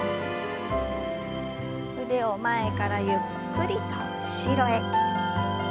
腕を前からゆっくりと後ろへ。